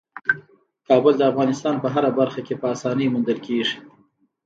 کابل د افغانستان په هره برخه کې په اسانۍ موندل کېږي.